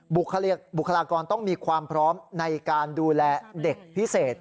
บุคลากรต้องมีความพร้อมในการดูแลเด็กพิเศษ